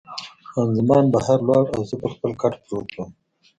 خان زمان بهر ولاړه او زه پر خپل کټ پروت وم.